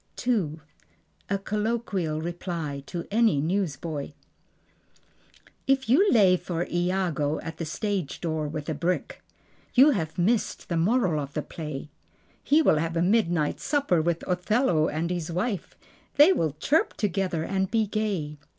II. A Colloquial Reply: To Any Newsboy If you lay for Iago at the stage door with a brick You have missed the moral of the play. He will have a midnight supper with Othello and his wife. They will chirp together and be gay.